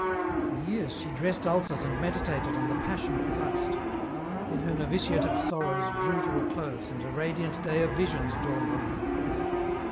For years she dressed ulcers and meditated on the Passion of Christ. Then her novitiate of sorrows drew to a close and a radiant day of visions dawned on her.